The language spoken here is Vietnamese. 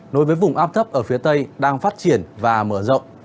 nối với vùng áp thấp ở phía tây đang phát triển và mở rộng